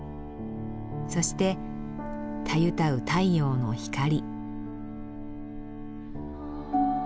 そしてたゆたう太陽の光。